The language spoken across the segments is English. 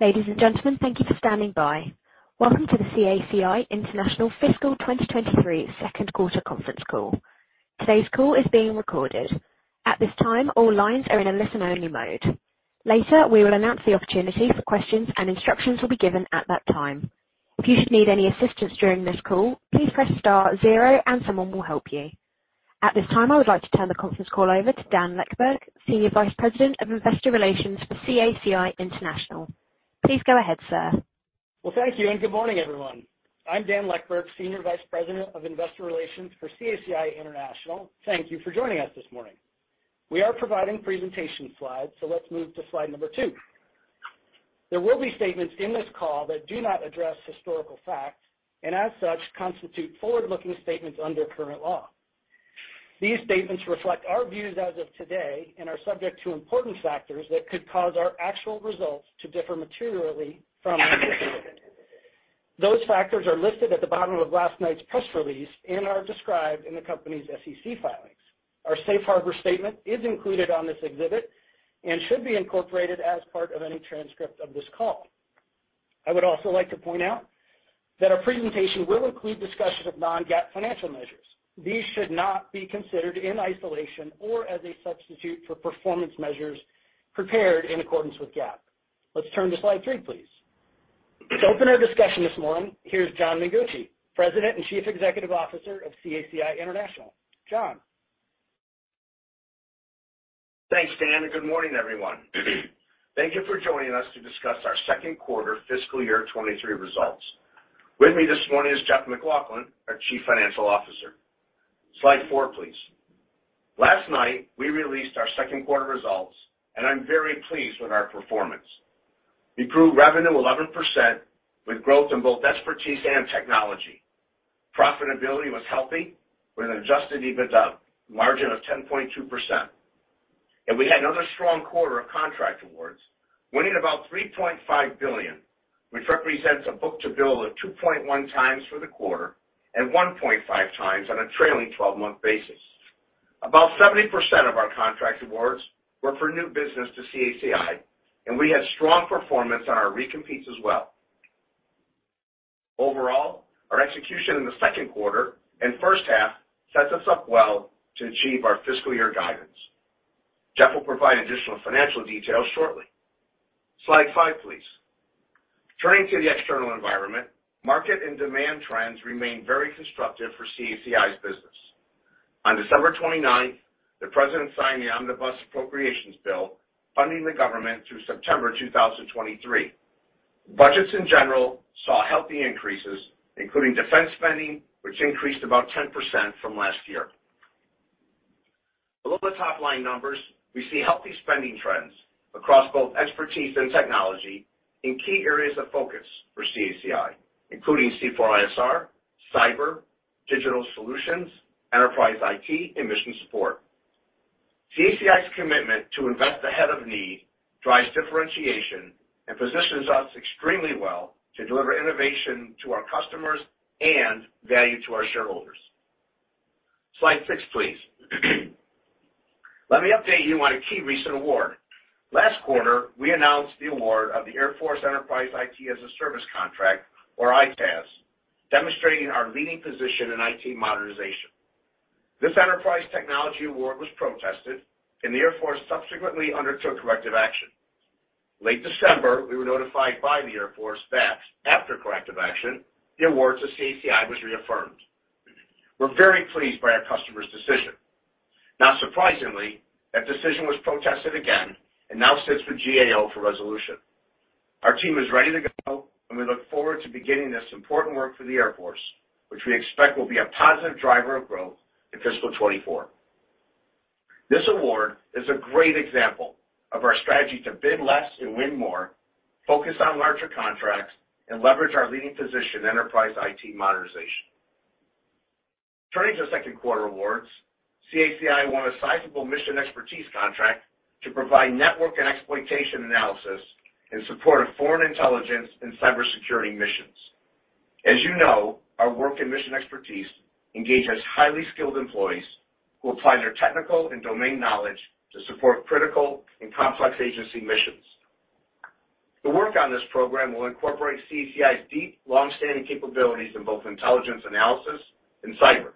Ladies and gentlemen, thank you for standing by. Welcome to the CACI International Fiscal 2023 second quarter conference call. Today's call is being recorded. At this time, all lines are in a listen-only mode. Later, we will announce the opportunity for questions and instructions will be given at that time. If you should need any assistance during this call, please press star zero and someone will help you. At this time, I would like to turn the conference call over to Dan Leckburg, Senior Vice President of Investor Relations for CACI International. Please go ahead, sir. Thank you, and good morning, everyone. I'm Dan Leckburg, Senior Vice President of Investor Relations for CACI International. Thank you for joining us this morning. We are providing presentation slides. Let's move to slide number two. There will be statements in this call that do not address historical facts and as such constitute forward-looking statements under current law. These statements reflect our views as of today and are subject to important factors that could cause our actual results to differ materially from anticipated. Those factors are listed at the bottom of last night's press release and are described in the company's SEC filings. Our safe harbor statement is included on this exhibit and should be incorporated as part of any transcript of this call. I would also like to point out that our presentation will include discussion of non-GAAP financial measures. These should not be considered in isolation or as a substitute for performance measures prepared in accordance with GAAP. Let's turn to slide three, please. To open our discussion this morning, here's John Mengucci, President and Chief Executive Officer of CACI International. John. Thanks, Dan Leckburg. Good morning, everyone. Thank you for joining us to discuss our second quarter fiscal year 2023 results. With me this morning is Jeff MacLauchlan, our Chief Financial Officer. Slide four, please. Last night, we released our second quarter results. I'm very pleased with our performance. We grew revenue 11% with growth in both expertise and technology. Profitability was healthy, with an adjusted EBITDA margin of 10.2%. We had another strong quarter of contract awards, winning about $3.5 billion, which represents a book-to-bill of 2.1x for the quarter and 1.5x on a trailing twelve-month basis. About 70% of our contract awards were for new business to CACI. We had strong performance on our recompetes as well. Overall, our execution in the second quarter and first half sets us up well to achieve our fiscal year guidance. Jeff will provide additional financial details shortly. Slide five, please. Turning to the external environment, market and demand trends remain very constructive for CACI's business. On December 29th, the President signed the Omnibus Appropriations Bill, funding the government through September 2023. Budgets in general saw healthy increases, including defense spending, which increased about 10% from last year. Below the top-line numbers, we see healthy spending trends across both expertise and technology in key areas of focus for CACI, including C4ISR, cyber, digital solutions, Enterprise IT, and mission support. CACI's commitment to invest ahead of need drives differentiation and positions us extremely well to deliver innovation to our customers and value to our shareholders. Slide six, please. Let me update you on a key recent award. Last quarter, we announced the award of the Air Force Enterprise IT As-a-Service contract, or EITaaS, demonstrating our leading position in IT modernization. This enterprise technology award was protested, and the Air Force subsequently undertook corrective action. Late December, we were notified by the Air Force that after corrective action, the award to CACI was reaffirmed. We're very pleased by our customer's decision. Not surprisingly, that decision was protested again and now sits with GAO for resolution. Our team is ready to go, and we look forward to beginning this important work for the Air Force, which we expect will be a positive driver of growth in fiscal 2024. This award is a great example of our strategy to bid less and win more, focus on larger contracts, and leverage our leading position in enterprise IT modernization. Turning to second quarter awards, CACI won a sizable mission expertise contract to provide network and exploitation analysis in support of foreign intelligence and cybersecurity missions. As you know, our work and mission expertise engages highly skilled employees who apply their technical and domain knowledge to support critical and complex agency missions. The work on this program will incorporate CACI's deep, long-standing capabilities in both intelligence analysis and cyber.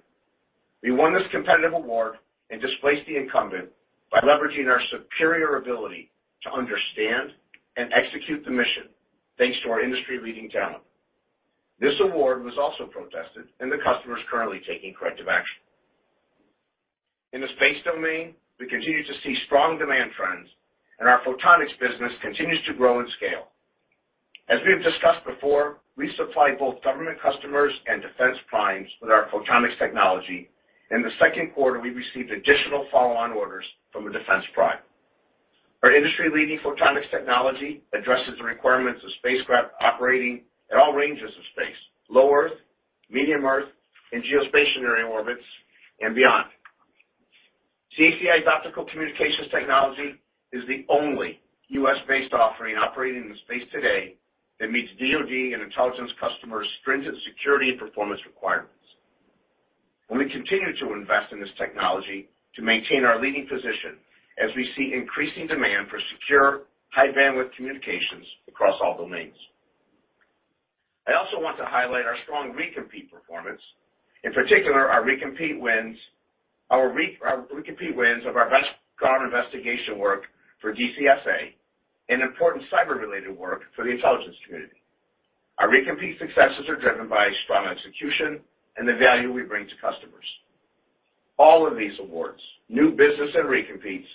We won this competitive award and displaced the incumbent by leveraging our superior ability to understand and execute the mission, thanks to our industry-leading talent. This award was also protested, and the customer is currently taking corrective action. In the space domain, we continue to see strong demand trends, and our photonics business continues to grow in scale. As we've discussed before, we supply both government customers and defense primes with our photonics technology. In the second quarter, we received additional follow-on orders from a defense prime. Our industry-leading photonics technology addresses the requirements of spacecraft operating at all ranges of space, low Earth, medium Earth, and geostationary orbits, and beyond. CACI's optical communications technology is the only US-based offering operating in the space today that meets DoD and intelligence customers' stringent security and performance requirements. Continue to invest in this technology to maintain our leading position as we see increasing demand for secure, high bandwidth communications across all domains. I also want to highlight our strong recompete performance. In particular, our recompete wins of our best government investigation work for DCSA, an important cyber-related work for the intelligence community. Our recompete successes are driven by strong execution and the value we bring to customers. All of these awards, new business and recompetes,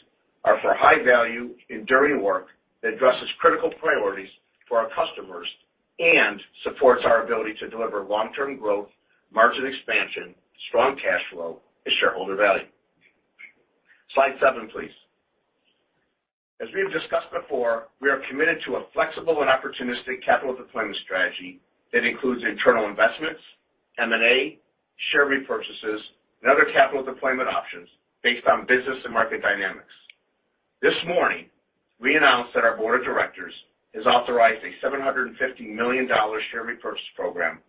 are for high value, enduring work that addresses critical priorities for our customers and supports our ability to deliver long-term growth, margin expansion, strong cash flow, and shareholder value. Slide seven, please. As we have discussed before, we are committed to a flexible and opportunistic capital deployment strategy that includes internal investments, M&A, share repurchases, and other capital deployment options based on business and market dynamics. This morning, we announced that our board of directors has authorized a $750 million share repurchase program,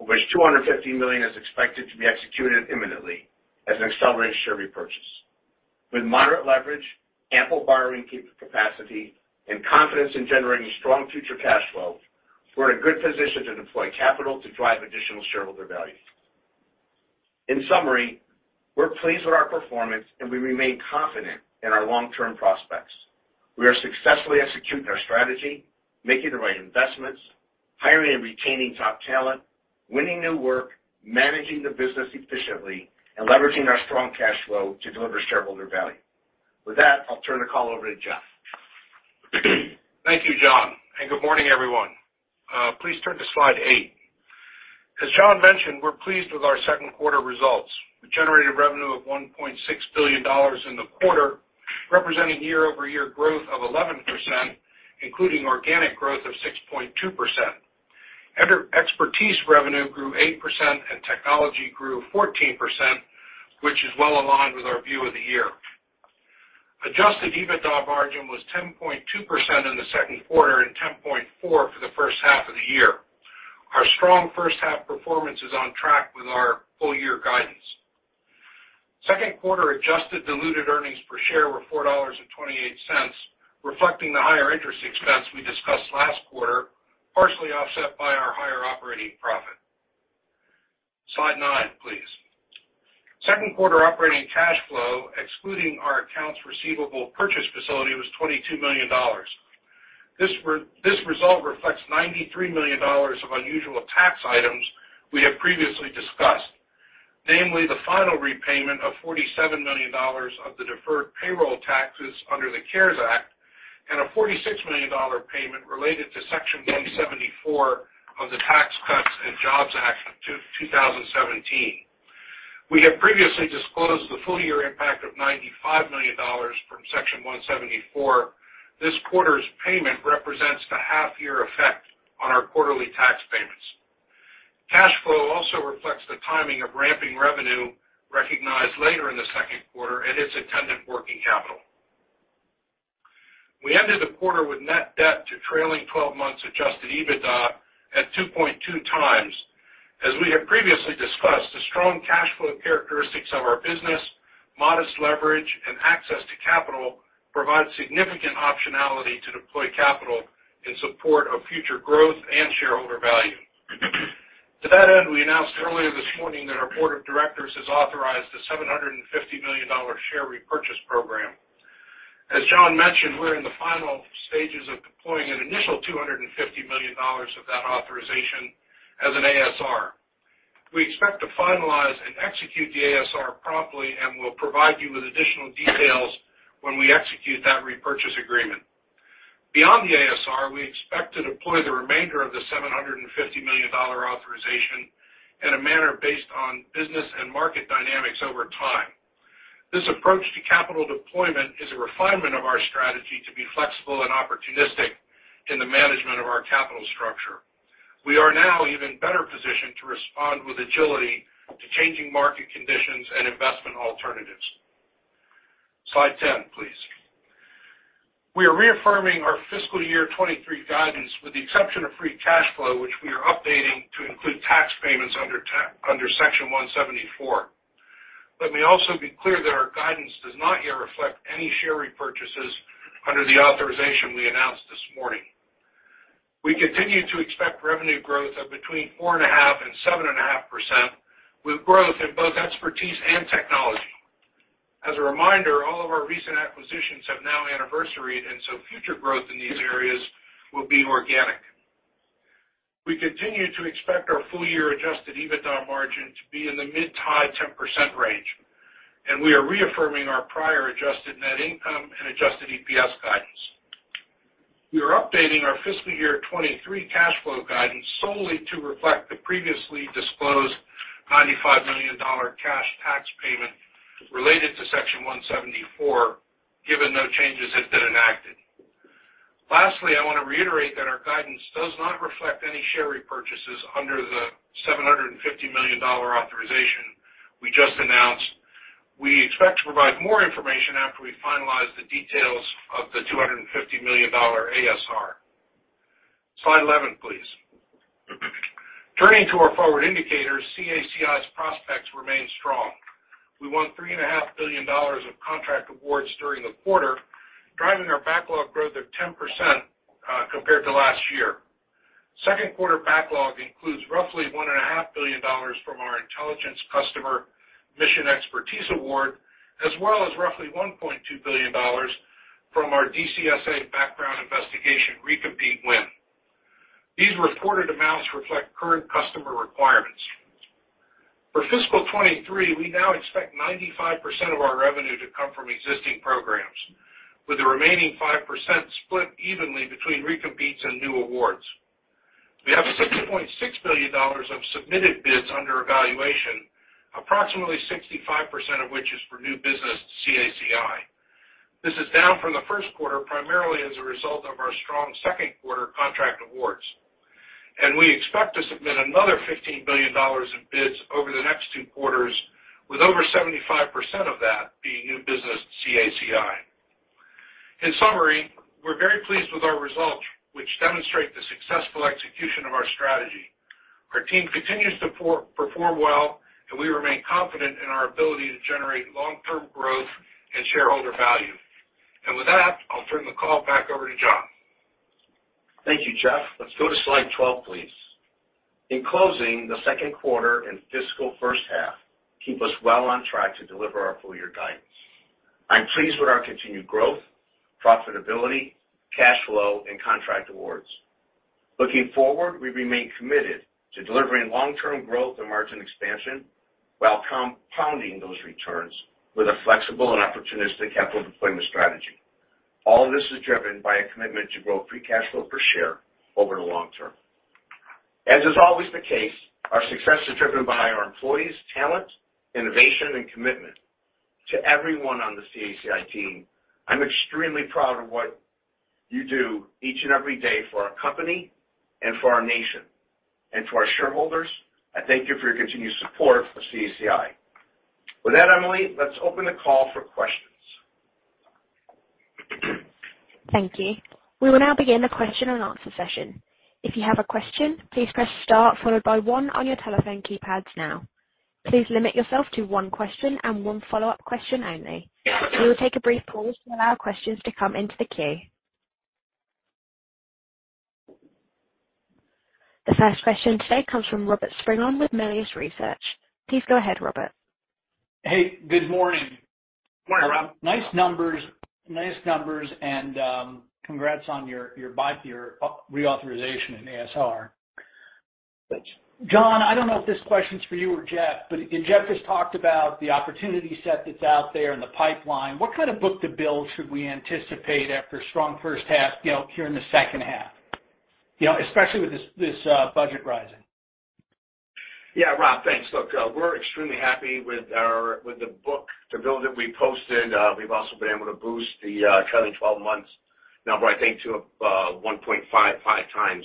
of which $250 million is expected to be executed imminently as an accelerated share repurchase. With moderate leverage, ample borrowing capacity, and confidence in generating strong future cash flow, we're in a good position to deploy capital to drive additional shareholder value. In summary, we're pleased with our performance, and we remain confident in our long-term prospects. We are successfully executing our strategy, making the right investments, hiring and retaining top talent, winning new work, managing the business efficiently, and leveraging our strong cash flow to deliver shareholder value. With that, I'll turn the call over to Jeff. Thank you, John, and good morning, everyone. Please turn to slide eight. As John mentioned, we're pleased with our second quarter results. We generated revenue of $1.6 billion in the quarter, representing year-over-year growth of 11%, including organic growth of 6.2%. Expertise revenue grew 8%, and technology grew 14%, which is well aligned with our view of the year. Adjusted EBITDA margin was 10.2% in the second quarter and 10.4% for the first half of the year. Our strong first half performance is on track with our full year guidance. Second quarter adjusted diluted earnings per share were $4.28, reflecting the higher interest expense we discussed last quarter, partially offset by our higher operating profit. Slide nine, please. Second quarter operating cash flow, excluding our accounts receivable purchase facility, was $22 million. This result reflects $93 million of unusual tax items we have previously discussed. Namely, the final repayment of $47 million of the deferred payroll taxes under the CARES Act and a $46 million payment related to Section 174 of the Tax Cuts and Jobs Act of 2017. We have previously disclosed the full year impact of $95 million from Section 174. This quarter's payment represents the half year effect on our quarterly tax payments. Cash flow also reflects the timing of ramping revenue recognized later in the second quarter and its attendant working capital. We ended the quarter with net debt to trailing 12 months adjusted EBITDA at 2.2 times. As we have previously discussed, the strong cash flow characteristics of our business, modest leverage, and access to capital provide significant optionality to deploy capital in support of future growth and shareholder value. To that end, we announced earlier this morning that our board of directors has authorized a $750 million share repurchase program. As John mentioned, we're in the final stages of deploying an initial $250 million of that authorization as an ASR. We expect to finalize and execute the ASR promptly, and we'll provide you with additional details when we execute that repurchase agreement. Beyond the ASR, we expect to deploy the remainder of the $750 million authorization in a manner based on business and market dynamics over time. This approach to capital deployment is a refinement of our strategy to be flexible and opportunistic in the management of our capital structure. We are now even better positioned to respond with agility to changing market conditions and investment alternatives. Slide 10, please. We are reaffirming our fiscal year 2023 guidance with the exception of free cash flow, which we are updating to include tax payments under Section 174. Let me also be clear that our guidance does not yet reflect any share repurchases under the authorization we announced this morning. We continue to expect revenue growth of between 4.5% and 7.5%, with growth in both expertise and technology. As a reminder, all of our recent acquisitions have now anniversaried, future growth in these areas will be organic. We continue to expect our full year adjusted EBITDA margin to be in the mid-to-high 10% range, and we are reaffirming our prior adjusted net income and adjusted EPS guidance. We are updating our fiscal year 2023 cash flow guidance solely to reflect the previously disclosed $95 million cash tax payment related to Section 174, given no changes have been enacted. Lastly, I wanna reiterate that our guidance does not reflect any share repurchases under the $750 million authorization we just announced. To provide more information after we finalize the details of the $250 million ASR. Slide 11, please. Turning to our forward indicators, CACI's prospects remain strong. We won three and a half billion dollars of contract awards during the quarter, driving our backlog growth of 10% compared to last year. Second quarter backlog includes roughly one and a half billion dollars from our intelligence customer mission expertise award, as well as roughly $1.2 billion from our DCSA background investigation recompete win. These reported amounts reflect current customer requirements. For fiscal 2023, we now expect 95% of our revenue to come from existing programs, with the remaining 5% split evenly between recompetes and new awards. We have $60.6 billion of submitted bids under evaluation, approximately 65% of which is for new business to CACI. This is down from the first quarter, primarily as a result of our strong second quarter contract awards. We expect to submit another $15 billion in bids over the next two quarters, with over 75% of that being new business to CACI. In summary, we're very pleased with our results, which demonstrate the successful execution of our strategy. Our team continues to perform well. We remain confident in our ability to generate long-term growth and shareholder value. With that, I'll turn the call back over to John. Thank you, Jeff. Let's go to slide 12, please. In closing, the second quarter and fiscal first half keep us well on track to deliver our full year guidance. I'm pleased with our continued growth, profitability, cash flow, and contract awards. Looking forward, we remain committed to delivering long-term growth and margin expansion while compounding those returns with a flexible and opportunistic capital deployment strategy. All of this is driven by a commitment to grow free cash flow per share over the long term. As is always the case, our success is driven by our employees' talent, innovation, and commitment. To everyone on the CACI team, I'm extremely proud of what you do each and every day for our company and for our nation. To our shareholders, I thank you for your continued support for CACI. With that, Emily, let's open the call for questions. Thank you. We will now begin the question and answer session. If you have a question, please press star followed by one on your telephone keypads now. Please limit yourself to one question and one follow-up question only. We will take a brief pause to allow questions to come into the queue. The first question today comes from Robert Spingarn with Melius Research. Please go ahead, Robert. Hey, good morning. Morning, Rob. Nice numbers. Nice numbers and, congrats on your reauthorization in ASR. Thanks. John, I don't know if this question's for you or Jeff, and Jeff just talked about the opportunity set that's out there in the pipeline. What kind of book-to-bill should we anticipate after a strong first half, you know, here in the second half? You know, especially with this budget rising. Yeah, Rob, thanks. Look, we're extremely happy with the book-to-bill that we posted. We've also been able to boost the trailing 12 months number, I think, to 1.55 times.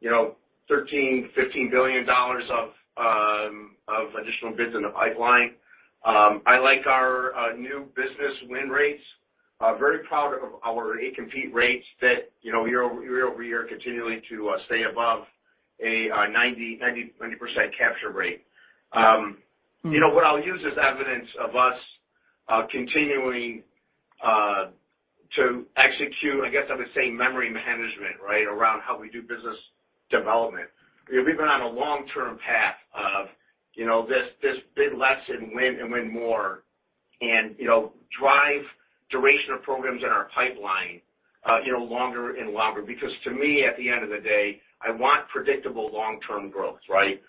You know, $13 billion-$15 billion of additional bids in the pipeline. I like our new business win rates. Very proud of our recompete rates that, you know, year-over-year, continuing to stay above a 90% capture rate. You know, what I'll use as evidence of us continuing to execute, I guess I would say memory management, right, around how we do business development. You know, we've been on a long-term path of, you know, this big lesson win and win more and, you know, drive duration of programs in our pipeline, you know, longer and longer. To me, at the end of the day, I want predictable long-term growth, right?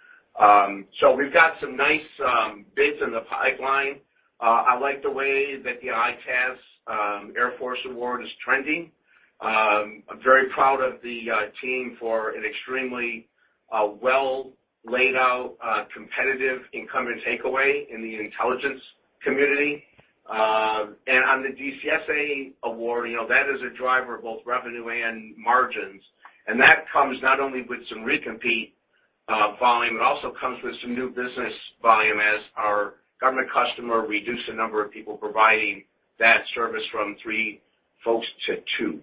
We've got some nice bids in the pipeline. I like the way that the EITaaS U.S. Air Force award is trending. I'm very proud of the team for an extremely well laid out competitive incumbent takeaway in the intelligence community. On the DCSA award, you know, that is a driver of both revenue and margins. That comes not only with some recompete volume, it also comes with some new business volume as our government customer reduced the number of people providing that service from three folks to two.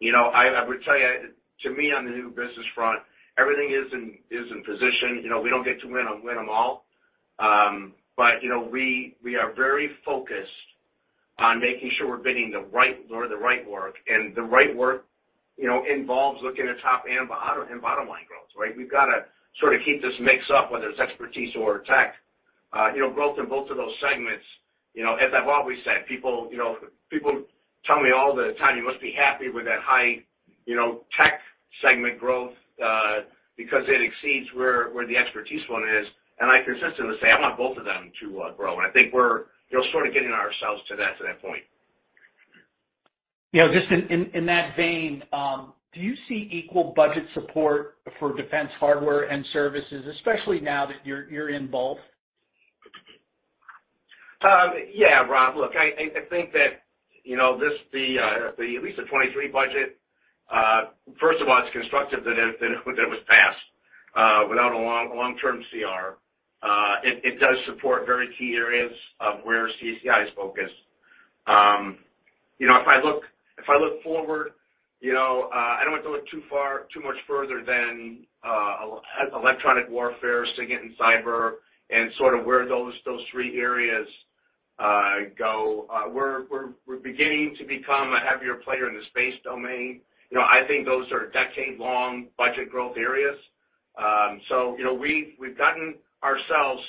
You know, I would tell you, to me, on the new business front, everything is in position. You know, we don't get to win them all. You know, we are very focused on making sure we're bidding the right or the right work. The right work, you know, involves looking at top and bottom, and bottom-line growth, right? We've gotta sort of keep this mix up, whether it's expertise or tech. You know, growth in both of those segments. You know, as I've always said, people, you know, people tell me all the time, "You must be happy with that high, you know, tech segment growth, because it exceeds where the expertise one is." I consistently say, "I want both of them to grow." I think we're, you know, sort of getting ourselves to that, to that point. You know, just in that vein, do you see equal budget support for defense hardware and services, especially now that you're in both? Yeah, Rob, look, I think that, you know, the at least the 23 budget, first of all, it's constructive that it was passed without a long, long-term CR. It does support very key areas of where CACI is focused. You know, if I look forward, you know, I don't have to look too far, too much further than electronic warfare, SIGINT, and cyber and sort of where those three areas go. We're beginning to become a heavier player in the space domain. You know, I think those are decade-long budget growth areas. You know, we've gotten ourselves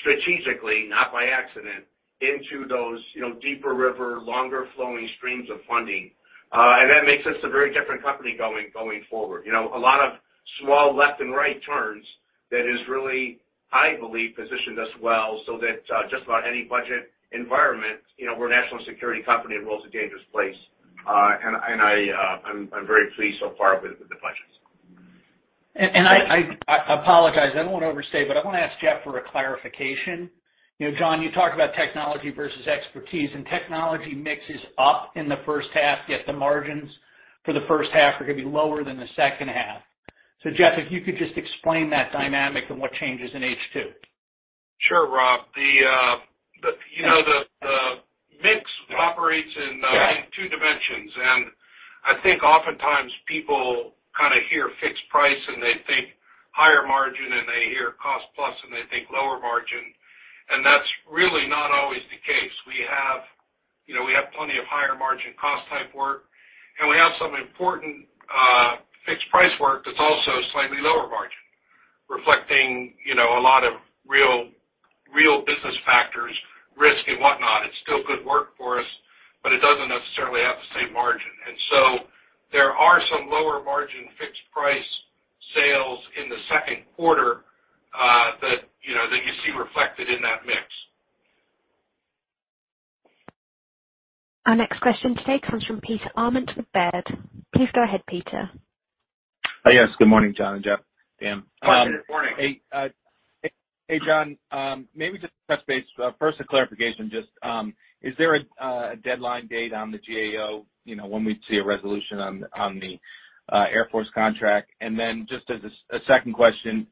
strategically, not by accident, into those, you know, deeper river, longer flowing streams of funding. That makes us a very different company going forward. You know, a lot of small left and right turns that has really, I believe, positioned us well so that just about any budget environment, you know, we're a national security company in world's a dangerous place. I'm very pleased so far with the budgets. I apologize. I don't wanna overstay, but I wanna ask Jeff for a clarification. You know, John, you talk about technology versus expertise, and technology mix is up in the first half, yet the margins for the first half are gonna be lower than the second half. Jeff, if you could just explain that dynamic and what changes in H2. Sure, Rob. The, you know, the mix operates in two dimensions. I think oftentimes people kinda hear fixed price, and they think higher margin, and they hear cost plus, and they think lower margin. That's really not always the case. We have, you know, we have plenty of higher margin cost type work, and we have some important fixed price work that's also slightly lower margin, reflecting, you know, a lot of real business factors, risk and whatnot. It's still good work for us, but it doesn't necessarily have the same margin. There are some lower margin fixed price sales in the second quarter that, you know, that you see reflected in that mix. Our next question today comes from Peter Arment of Baird. Please go ahead, Peter. Yes, good morning, John and Jeff. Dan. Good morning. Hey, hey, John. Maybe just to touch base. First, a clarification, just, is there a deadline date on the GAO, you know, when we'd see a resolution on the Air Force contract? Then just as a second question,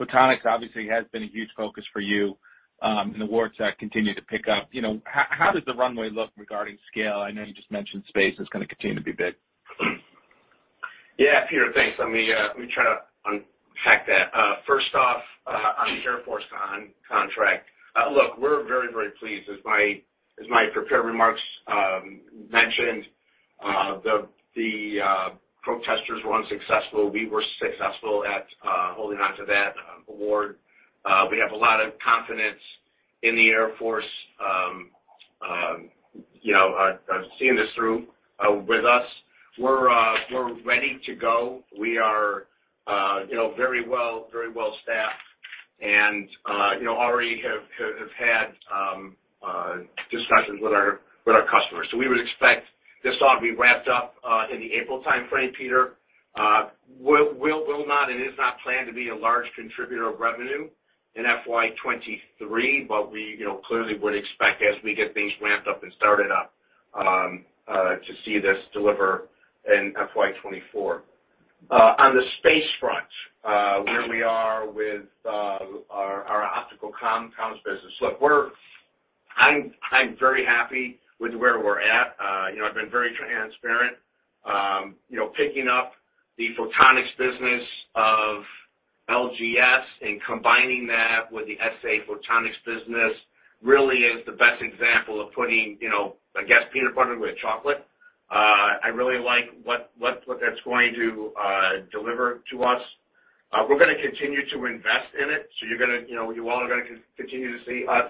photonics obviously has been a huge focus for you, and awards have continued to pick up. You know, how does the runway look regarding scale? I know you just mentioned space is gonna continue to be big. Yeah, Peter. Thanks. Let me try to unpack that. First off, on the Air Force contract. Look, we're very, very pleased. As my prepared remarks mentioned, the protesters were unsuccessful. We were successful at holding on to that award. We have a lot of confidence in the Air Force, you know, seeing this through with us. We're ready to go. We are, you know, very well, very well staffed, and, you know, already have had discussions with our customers. We would expect this all to be wrapped up in the April timeframe, Peter. will not and is not planned to be a large contributor of revenue in FY 2023, but we, you know, clearly would expect as we get things ramped up and started up to see this deliver in FY 2024. On the space front, where we are with our optical comms business. Look, we're I'm very happy with where we're at. You know, I've been very transparent. You know, picking up the photonics business of LGS and combining that with the SA Photonics business really is the best example of putting, you know, I guess, peanut butter with chocolate. I really like what that's going to deliver to us. We're going to continue to invest in it, so you're going to, you know, you all are going to continue to see us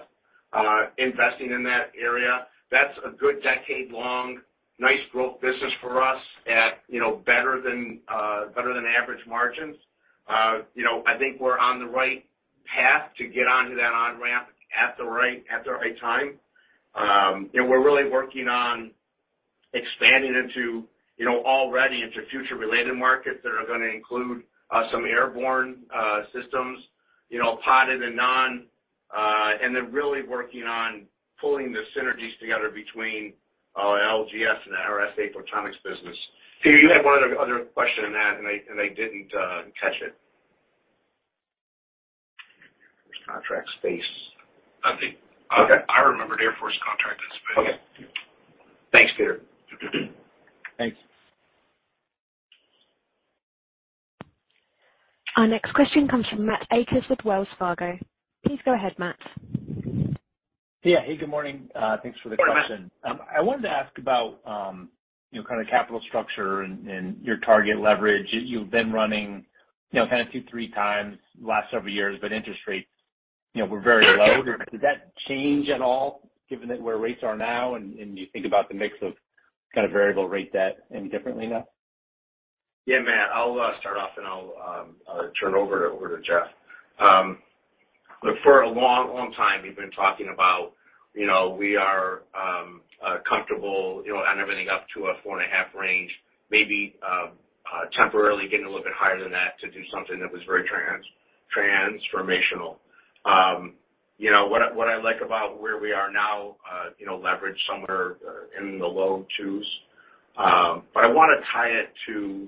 investing in that area. That's a good decade-long, nice growth business for us at, you know, better than average margins. I think we're on the right path to get onto that on-ramp at the right time. We're really working on expanding into, you know, already into future related markets that are gonna include some airborne systems, you know, potted and non, and then really working on pulling the synergies together between LGS and our SA Photonics business. Peter, you had one other question than that, and I didn't catch it. There's contract space. I think. Okay. I remembered Air Force contract and space. Okay. Thanks, Peter. Thanks. Our next question comes from Matt Akers with Wells Fargo. Please go ahead, Matt. Yeah. Hey, good morning. Thanks for the question. Good morning, Matt. I wanted to ask about kind of capital structure and your target leverage. You've been running kind of two, three times last several years. Interest rates were very low. Did that change at all given that where rates are now and you think about the mix of kind of variable rate debt any differently now? Yeah, Matt, I'll start off, and I'll turn over to Jeff. Look, for a long time, we've been talking about. You know, we are comfortable, you know, on everything up to a 4.5 range, maybe temporarily getting a little bit higher than that to do something that was very transformational. You know, what I like about where we are now, you know, leverage somewhere in the low 2s. I wanna tie it to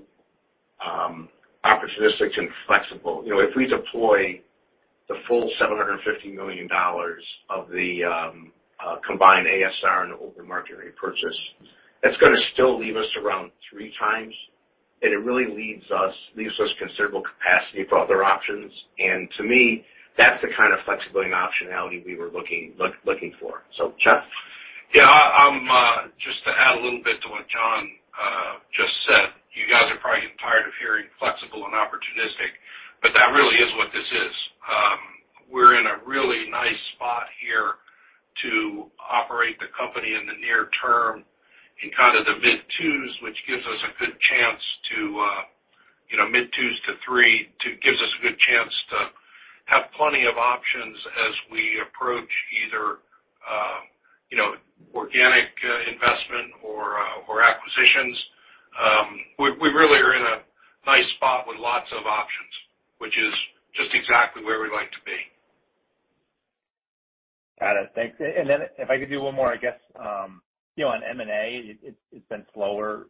opportunistic and flexible. You know, if we deploy the full $750 million of the combined ASR and open market repurchase, that's gonna still leave us around three times, and it really leaves us considerable capacity for other options. To me, that's the kind of flexibility and optionality we were looking for. Jeff? Yeah, I'm just to add a little bit to what John just said. You guys are probably getting tired of hearing flexible and opportunistic, but that really is what this is. We're in a really nice spot here to operate the company in the near term in kind of the mid-2s, which gives us a good chance to, you know, mid-2s to 3, gives us a good chance to have plenty of options as we approach either, you know, organic investment or acquisitions. We really are in a nice spot with lots of options, which is just exactly where we like to be. Got it. Thanks. If I could do one more, I guess, you know, on M&A, it's been slower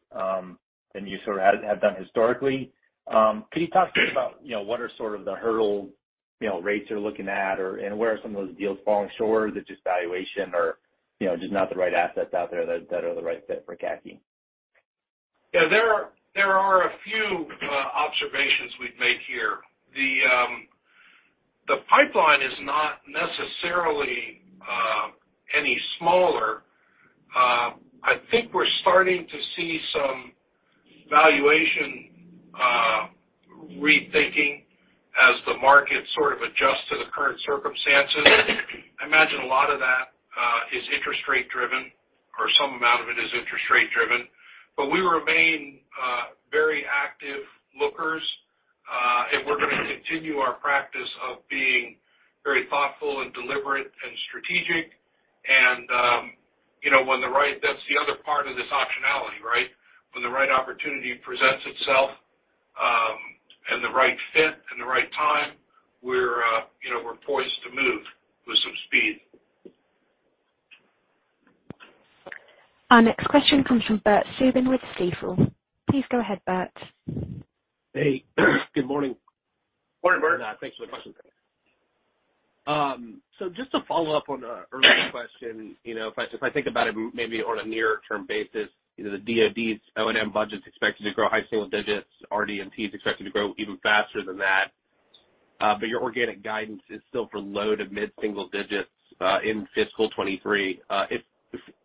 than you sort of have done historically. Could you talk to me about, you know, what are sort of the hurdle, you know, rates you're looking at, and where are some of those deals falling short? Is it just valuation or, you know, just not the right assets out there that are the right fit for CACI? Yeah. There are a few observations we've made here. The pipeline is not necessarily any smaller. I think we're starting to see some valuation rethinking as the market sort of adjusts to the current circumstances. I imagine a lot of that is interest rate driven, or some amount of it is interest rate driven. We remain very active lookers, and we're gonna continue our practice of being very thoughtful and deliberate and strategic. You know, that's the other part of this optionality, right? When the right opportunity presents itself, and the right fit and the right time, we're, you know, we're poised to move with some speed. Our next question comes from Bert Subin with Stifel. Please go ahead, Bert. Hey, good morning. Morning, Bert. Thanks for the question. Just to follow up on the earlier question, you know, if I, if I think about it maybe on a near-term basis, you know, the DOD's O&M budget's expected to grow high single digits. R&D is expected to grow even faster than that. Your organic guidance is still for low to mid single digits, in fiscal 2023.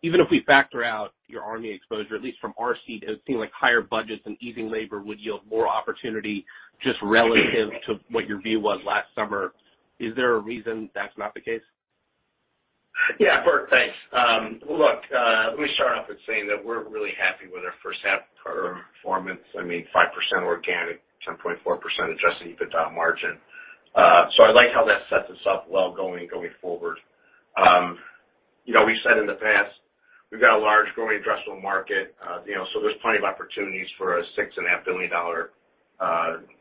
Even if we factor out your Army exposure, at least from our seat, it would seem like higher budgets and easing labor would yield more opportunity just relative to what your view was last summer. Is there a reason that's not the case? Yeah, Bert, thanks. look, let me start off with saying that we're really happy with our first half performance. I mean, 5% organic, 10.4% adjusted EBITDA margin. I like how that sets us up well going forward. you know, we've said in the past, we've got a large growing addressable market, you know, there's plenty of opportunities for a $6.5 billion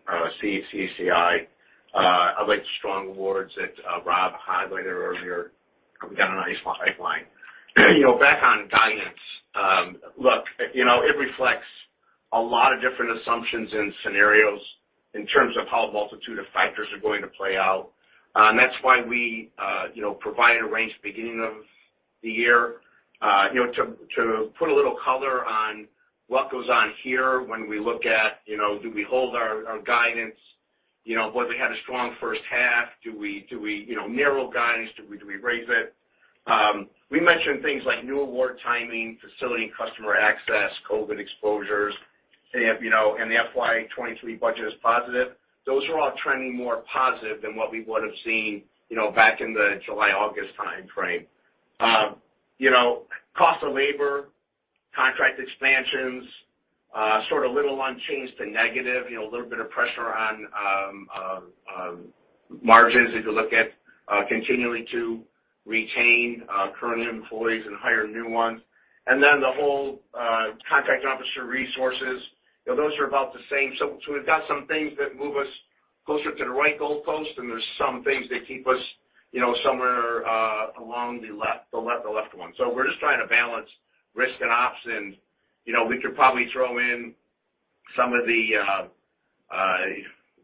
CACI. I like the strong awards that Rob highlighted earlier. We got a nice pipeline. You know, back on guidance, look, you know, it reflects a lot of different assumptions and scenarios in terms of how a multitude of factors are going to play out. That's why we, you know, provided a range at the beginning of the year. you know, to put a little color on what goes on here when we look at, you know, do we hold our guidance? You know, boy, we had a strong first half. Do we, you know, narrow guidance? Do we raise it? We mentioned things like new award timing, facility and customer access, COVID exposures, and, you know, the FY 2023 budget is positive. Those are all trending more positive than what we would have seen, you know, back in the July, August timeframe. you know, cost of labor, contract expansions, sort of little unchanged to negative, you know, a little bit of pressure on margins as you look at continuing to retain current employees and hire new ones. The whole contract officer resources, you know, those are about the same. We've got some things that move us closer to the right goalpost, and there's some things that keep us, you know, somewhere along the left one. We're just trying to balance risk and ops and, you know, we could probably throw in some of the,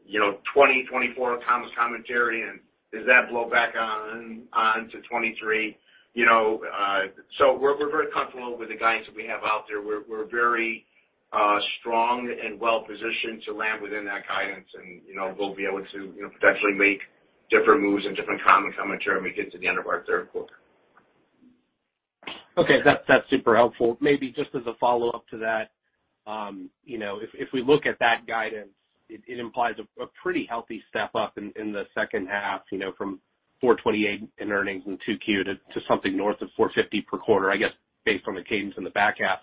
you know, 2024 commentary and does that blow back on to 2023. You know, so we're very comfortable with the guidance that we have out there. We're very strong and well-positioned to land within that guidance and, you know, we'll be able to, you know, potentially make different moves and different commentary when we get to the end of our third quarter. Okay. That's super helpful. Maybe just as a follow-up to that, you know, if we look at that guidance, it implies a pretty healthy step up in the second half, you know, from $4.28 in earnings in 2Q to something north of $4.50 per quarter, I guess, based on the cadence in the back half.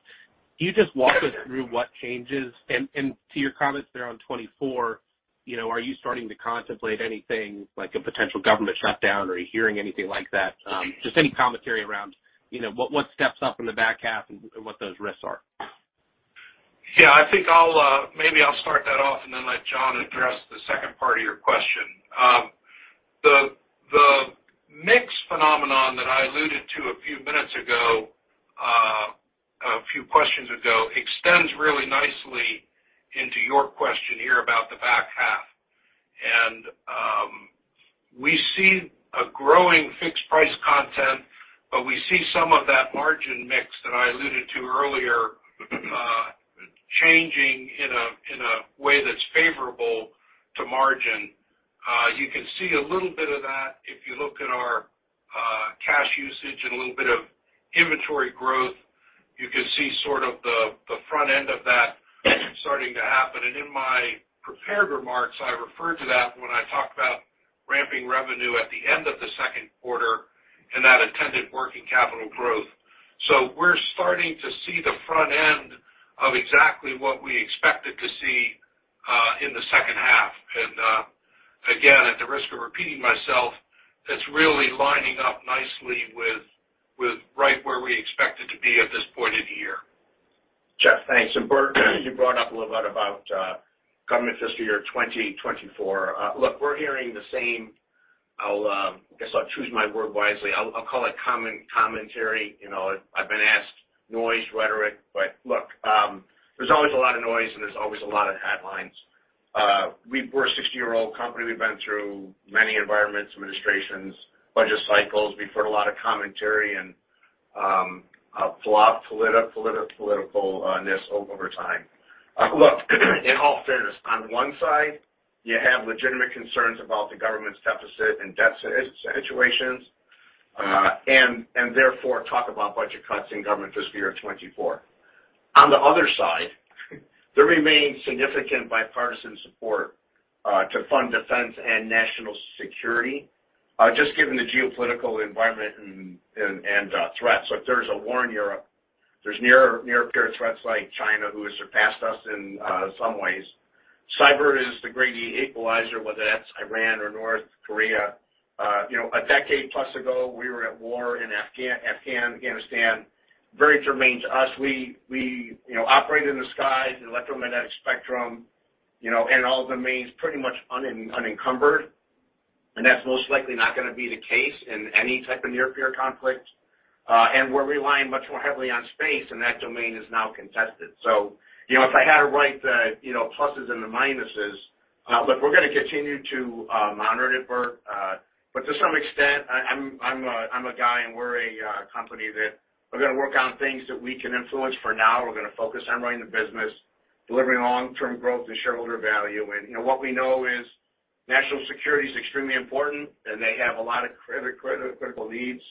Can you just walk us through what changes? To your comments there on 2024 You know, are you starting to contemplate anything like a potential government shutdown? Are you hearing anything like that? just any commentary around, you know, what steps up in the back half and what those risks are. Yeah, I think I'll, maybe I'll start that off and then let John address the second part of your question. The mix phenomenon that I alluded to a few minutes ago, a few questions ago extends really nicely into your question here about the back half. We see a growing fixed-price content, but we see some of that margin mix that I alluded to earlier, changing in a way that's favorable to margin. You can see a little bit of that if you look at our cash usage and a little bit of inventory growth. You can see sort of the front end of that starting to happen. In my prepared remarks, I referred to that when I talked about ramping revenue at the end of the second quarter and that attendant working capital growth. We're starting to see the front end of exactly what we expected to see, in the second half. Again, at the risk of repeating myself, it's really lining up nicely with right where we expect it to be at this point in the year. Jeff, thanks. Burt, you brought up a little bit about government fiscal year 2024. Look, we're hearing the same. I guess I'll choose my word wisely. I'll call it common commentary. You know, I've been asked noise rhetoric. Look, there's always a lot of noise, and there's always a lot of headlines. We're a 60-year-old company. We've been through many environments, administrations, budget cycles. We've heard a lot of commentary and flop political on this over time. Look, in all fairness, on one side, you have legitimate concerns about the government's deficit and debt situations, and therefore talk about budget cuts in government fiscal year of 2024. On the other side, there remains significant bipartisan support to fund defense and national security, just given the geopolitical environment and threats. There's a war in Europe. There's near-peer threats like China, who has surpassed us in some ways. Cyber is the great equalizer, whether that's Iran or North Korea. you know, a decade-plus ago, we were at war in Afghanistan. Very determined to us. We, you know, operate in the skies, the electromagnetic spectrum, you know, and all domains pretty much unencumbered. That's most likely not gonna be the case in any type of near-peer conflict. we're relying much more heavily on space, and that domain is now contested. you know, if I had to write the, you know, pluses and the minuses. look, we're gonna continue to monitor it, Bert. to some extent, I'm a guy, and we're a company that we're gonna work on things that we can influence. For now, we're gonna focus on running the business, delivering long-term growth and shareholder value. You know, what we know is national security is extremely important, and they have a lot of critical needs.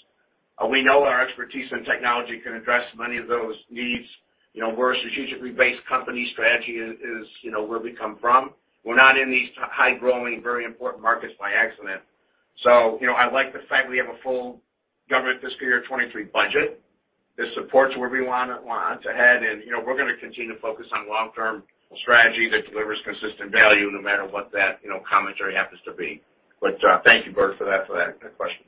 We know our expertise in technology can address many of those needs. You know, we're a strategically based company. Strategy is, you know, where we come from. We're not in these high-growing, very important markets by accident. You know, I like the fact we have a full government fiscal year 2023 budget. This supports where we wanna to head. You know, we're gonna continue to focus on long-term strategy that delivers consistent value no matter what that, you know, commentary happens to be. Thank you, Burt, for that question.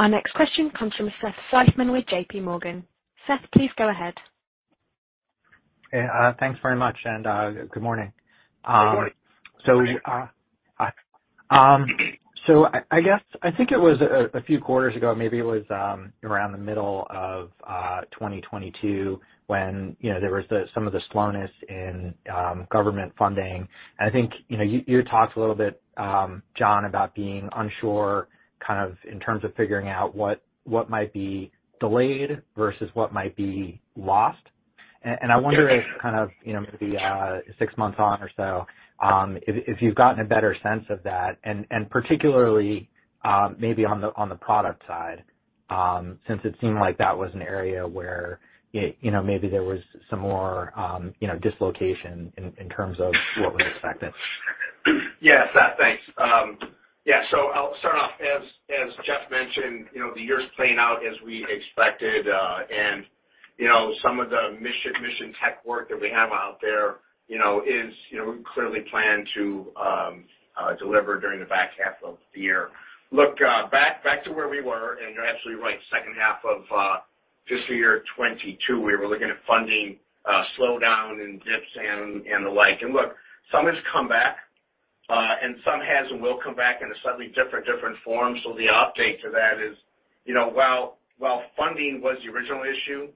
Our next question comes from Seth Seifman with JPMorgan. Seth, please go ahead. Hey, thanks very much, and good morning. Good morning. I guess I think it was a few quarters ago, maybe it was around the middle of 2022, when, you know, there was the, some of the slowness in government funding. I think, you know, you talked a little bit, John, about being unsure, kind of in terms of figuring out what might be delayed versus what might be lost. Yes. I wonder if kind of, you know, maybe six months on or so, if you've gotten a better sense of that, and particularly, maybe on the product side, since it seemed like that was an area where it, you know, maybe there was some more, you know, dislocation in terms of what was expected. Yeah, Seth. Thanks. Yeah. I'll start off. As Jeff mentioned, you know, the year's playing out as we expected. You know, some of the mission tech work that we have out there, you know, is, you know, clearly planned to deliver during the back half of the year. Look, back to where we were, you're absolutely right. Second half of fiscal year 2022, we were looking at funding slowdown and dips and the like. Look, some has come back, and some has and will come back in a slightly different form. The update to that is, you know, while funding was the original issue,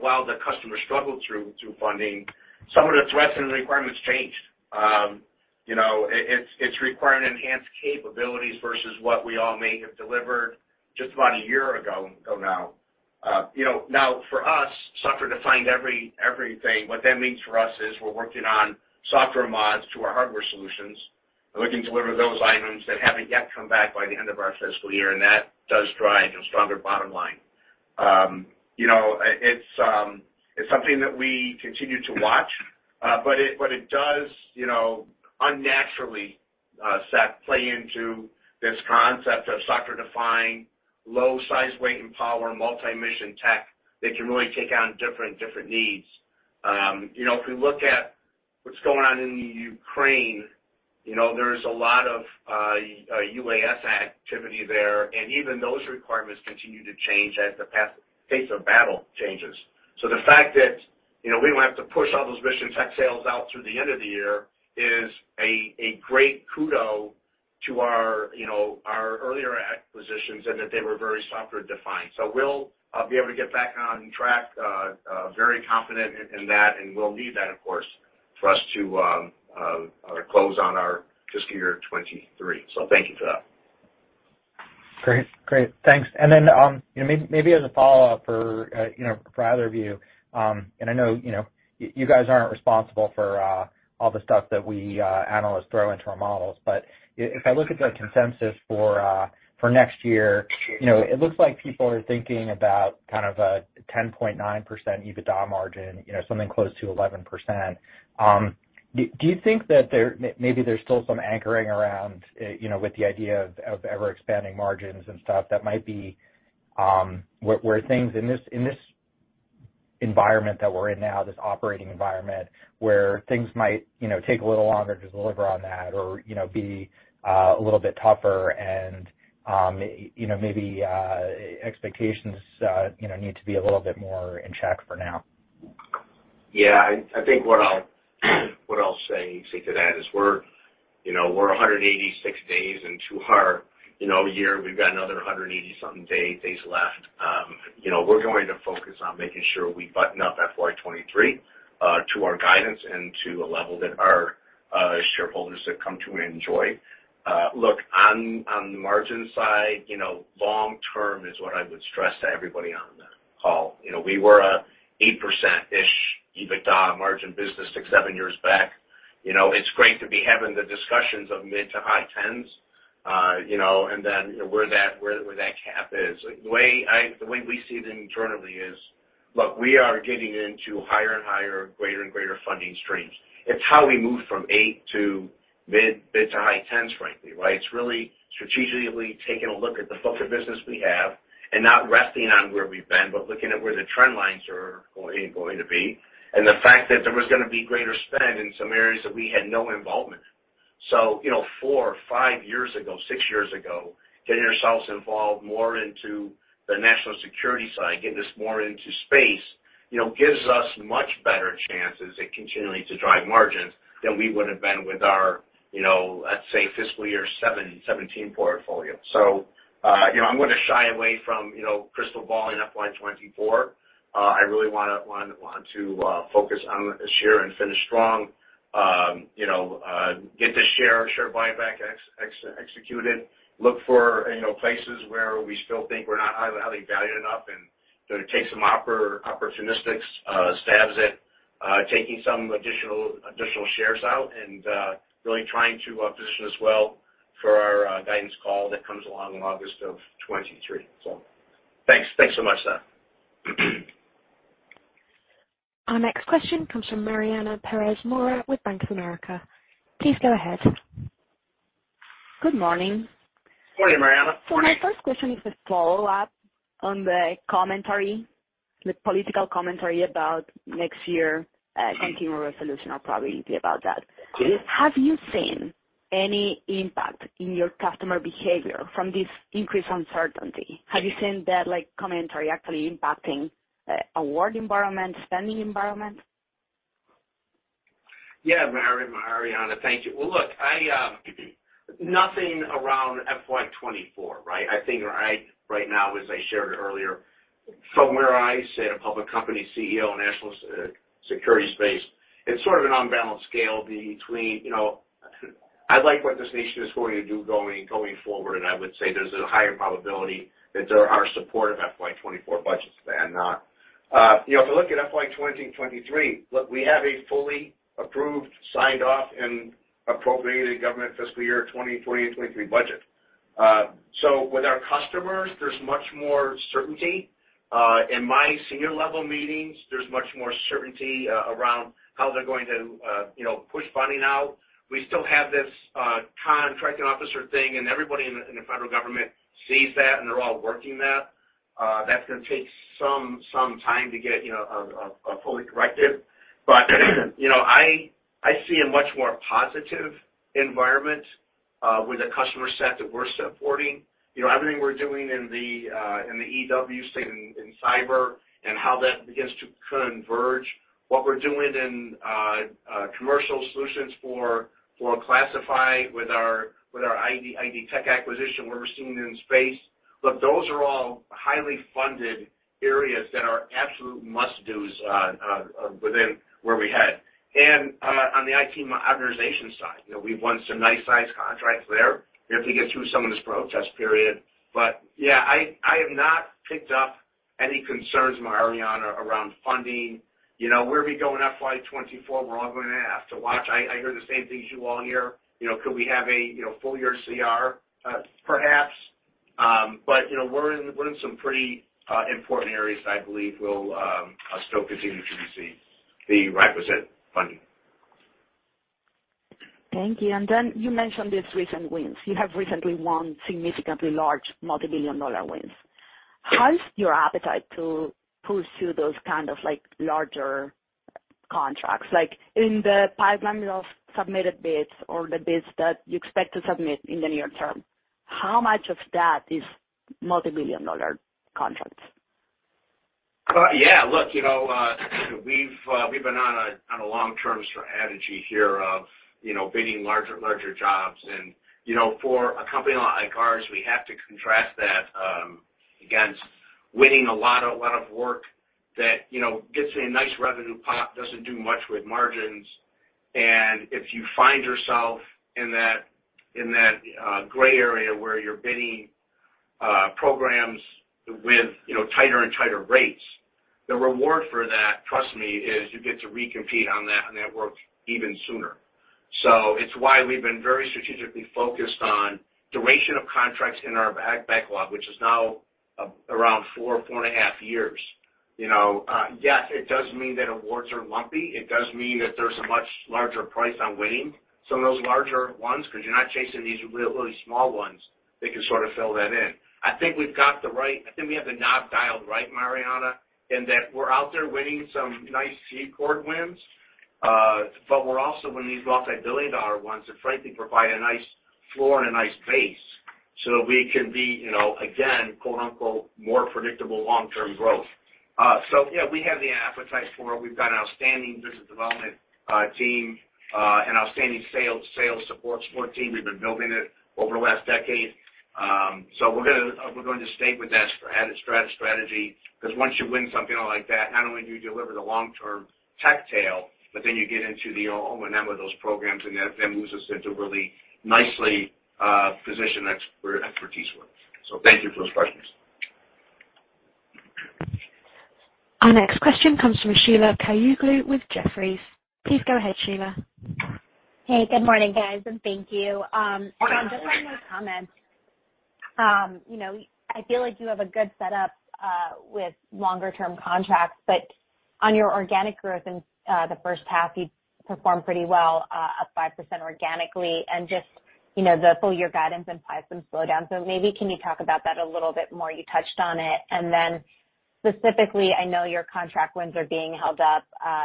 while the customer struggled through funding, some of the threats and requirements changed. you know, it's, it's requiring enhanced capabilities versus what we all may have delivered just about a year ago now. you know, now for us, software-defined everything. What that means for us is we're working on software mods to our hardware solutions. We're looking to deliver those items that haven't yet come back by the end of our fiscal year, and that does drive a stronger bottom line. you know, it's something that we continue to watch, but it, but it does, you know, unnaturally Seth, play into this concept of software-defined low size, weight, and power multi-mission tech that can really take on different needs. You know, if we look at what's going on in the Ukraine, you know, there's a lot of UAS activity there, and even those requirements continue to change as the pace of battle changes. The fact that, you know, we don't have to push all those mission tech sales out through the end of the year is a great kudo to our, you know, our earlier acquisitions and that they were very software-defined. We'll be able to get back on track, very confident in that, and we'll need that, of course, for us to close on our fiscal year 2023. Thank you for that. Great. Great. Thanks. Then, you know, maybe as a follow-up for, you know, for either of you, I know, you know, you guys aren't responsible for all the stuff that we analysts throw into our models, but if I look at the consensus for next year, you know, it looks like people are thinking about kind of a 10.9% EBITDA margin, you know, something close to 11%. Do you think that there, maybe there's still some anchoring around, you know, with the idea of ever-expanding margins and stuff that might be, where things in this environment that we're in now, this operating environment, where things might, you know, take a little longer to deliver on that or, you know, be a little bit tougher and, you know, maybe expectations, you know, need to be a little bit more in check for now? Yeah. I think what I'll say to that is we're, you know, we're a 186 days into our, you know, year. We've got another 180 something days left. You know, we're going to focus on making sure we button up FY 2023 to our guidance and to a level that our shareholders have come to enjoy. Look, on the margin side, you know, long term is what I would stress to everybody on the call. You know, we were a 8%-ish EBITDA margin business six, seven years back. You know, it's great to be having the discussions of mid to high tens, you know, and then where that cap is. The way we see it internally is, look, we are getting into higher and higher, greater and greater funding streams. It's how we move from eight to mid to high tens, frankly, right. It's really strategically taking a look at the book of business we have and not resting on where we've been, but looking at where the trend lines are going to be and the fact that there was gonna be greater spend in some areas that we had no involvement. You know, four or five years ago, six years ago, getting ourselves involved more into the national security side, getting us more into space, you know, gives us much better chances at continuing to drive margins than we would have been with our, you know, let's say fiscal year 2017 portfolio. You know, I'm gonna shy away from, you know, crystal balling FY 2024. I really want to focus on this year and finish strong. You know, get the share buyback executed, look for, you know, places where we still think we're not highly valued enough and gonna take some opportunistic stabs at taking some additional shares out and really trying to position us well for our guidance call that comes along in August of 2023. Thanks so much, Seth. Our next question comes from Mariana Perez Mora with Bank of America. Please go ahead. Good morning. Morning, Mariana. Morning. My first question is a follow-up on the commentary, the political commentary about next year, Continuing Resolution or probability about that. Please. Have you seen any impact in your customer behavior from this increased uncertainty? Have you seen that, like, commentary actually impacting award environment, spending environment? Yeah, Mariana, thank you. Well, look, I, nothing around FY 2024, right? I think right now, as I shared earlier, from where I sit, a public company CEO in national security space, it's sort of an unbalanced scale between, you know, I'd like what this nation is going to do going forward, and I would say there's a higher probability that there are support of FY 2024 budgets than not. If you look at FY 2023, look, we have a fully approved, signed off, and appropriated government fiscal year 2023 budget. With our customers, there's much more certainty. In my senior level meetings, there's much more certainty, around how they're going to, you know, push funding out. We still have this contracting officer thing, and everybody in the federal government sees that, and they're all working that. That's gonna take some time to get, you know, a fully corrective. You know, I see a much more positive environment with the customer set that we're supporting. You know, everything we're doing in the EW state in cyber and how that begins to converge, what we're doing in commercial solutions for classified with our ID Technologies acquisition, what we're seeing in space. Look, those are all highly funded areas that are absolute must-dos within where we head. On the IT modernization side, you know, we've won some nice size contracts there if we get through some of this protest period. Yeah, I have not picked up any concerns, Mariana, around funding. You know, where we go in FY 2024, we're all gonna have to watch. I hear the same things you all hear. You know, could we have a, you know, full year CR? Perhaps. You know, we're in some pretty important areas that I believe will still continue to receive the requisite funding. Thank you. You mentioned these recent wins. You have recently won significantly large multi-billion dollar wins. How's your appetite to pursue those kind of like larger contracts? In the pipeline of submitted bids or the bids that you expect to submit in the near term, how much of that is multi-billion dollar contracts? Yeah, look, you know, we've been on a long-term strategy here of, you know, bidding larger jobs. You know, for a company like ours, we have to contrast that against winning a lot of work that, you know, gets a nice revenue pop, doesn't do much with margins. If you find yourself in that gray area where you're bidding programs with, you know, tighter rates, the reward for that, trust me, is you get to recompete on that network even sooner. It's why we've been very strategically focused on duration of contracts in our backlog, which is now around 4.5 years. You know, yes, it does mean that awards are lumpy. It does mean that there's a much larger price on winning some of those larger ones because you're not chasing these really small ones that can sort of fill that in. I think we have the knob dialed right, Mariana, in that we're out there winning some nice CACI wins, but we're also winning these multi-billion dollar ones that frankly provide a nice floor and a nice base so we can be, you know, again, quote-unquote, more predictable long-term growth. Yeah, we have the appetite for it. We've got an outstanding business development team, an outstanding sales support team. We've been building it over the last decade. We're going to stay with that strategy because once you win something like that, not only do you deliver the long-term tech tail, but then you get into the O&M of those programs, and that moves us into really nicely positioned expertise with. Thank you for those questions. Our next question comes from Sheila Kahyaoglu with Jefferies. Please go ahead, Sheila. Hey, good morning, guys, and thank you. I just have a few comments. You know, I feel like you have a good setup with longer term contracts, but on your organic growth in the first half, you performed pretty well, up 5% organically. Just, you know, the full year guidance implies some slowdown. Maybe can you talk about that a little bit more? You touched on it. Then specifically, I know your contract wins are being held up,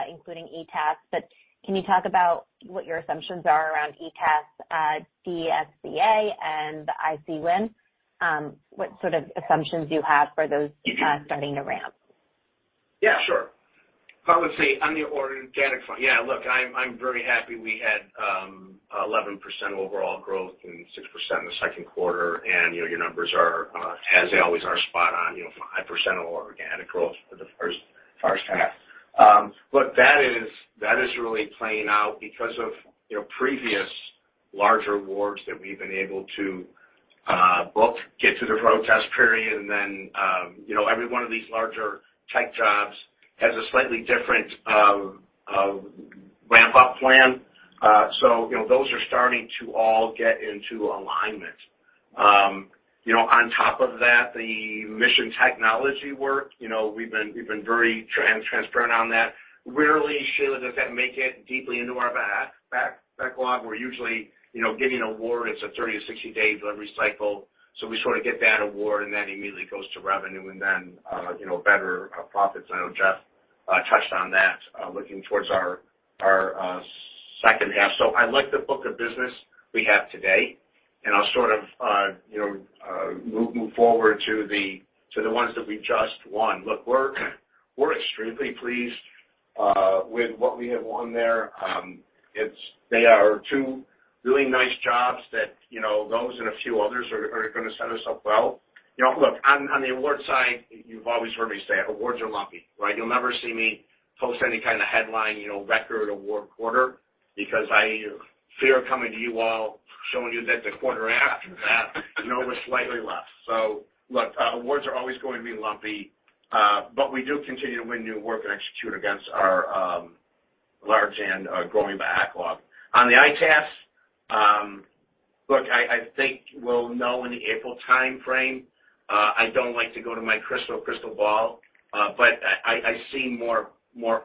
including EITaaS, but can you talk about what your assumptions are around EITaaS, DSCA, and the IC win? What sort of assumptions you have for those starting to ramp? Yeah, sure. I would say on the organic front, yeah, look, I'm very happy we had 11% overall growth and 6% in the second quarter. Your numbers are, as they always are, spot on, you know, 5% of organic growth for the first half. Look, that is, that is really playing out because of, you know, previous larger awards that we've been able to both get through the protest period and then, you know, every one of these larger tech jobs has a slightly different ramp-up plan. You know, those are starting to all get into alignment. You know, on top of that, the mission technology work, you know, we've been, we've been very transparent on that. Rarely, Sheila, does that make it deeply into our backlog. We're usually, you know, getting an award, it's a 30-60 day delivery cycle. We sort of get that award and then immediately goes to revenue and then, you know, better profits. I know Jeff touched on that, looking towards our second half. I like the book of business we have today, and I'll sort of, you know, move forward to the ones that we just won. Look, we're extremely pleased with what we have won there. They are two really nice jobs that, you know, those and a few others are gonna set us up well. You know, look, on the award side, you've always heard me say awards are lumpy, right? You'll never see me post any kind of headline, you know, record award quarter because I fear coming to you all showing you that the quarter after that, you know, we're slightly less. Look, awards are always going to be lumpy, but we do continue to win new work and execute against our large and growing backlog. On the EITaaS, look, I think we'll know in the April timeframe. I don't like to go to my crystal ball, but I see more